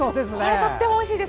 とってもおいしいです。